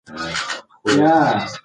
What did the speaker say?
انا خپل شل شوي لاسونه په هوا کې ونیول.